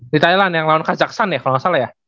di thailand yang lawan kajaksan ya kalau nggak salah ya